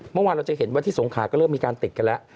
เมื่อวานเราจะเห็นว่าที่สงขาก็เริ่มมีการติดกันแล้ว